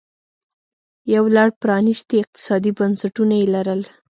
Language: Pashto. یو لړ پرانیستي اقتصادي بنسټونه یې لرل